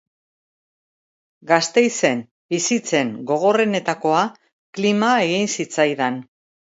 Gasteizen bizitzen gogorrenetakoa klima egin zitzaidan.